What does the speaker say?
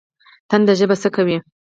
تنده ژبه څه کوي؟